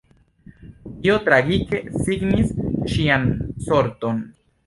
Tio tragike signis ŝian sorton.